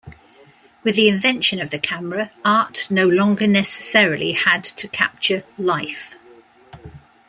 With the invention of the camera, art no longer necessarily had to capture life.